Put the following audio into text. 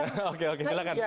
oke oke silahkan